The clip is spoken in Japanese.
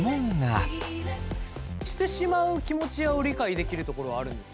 してしまう気持ちを理解できるところはあるんですか？